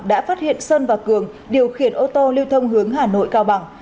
đã phát hiện sơn và cường điều khiển ô tô lưu thông hướng hà nội cao bằng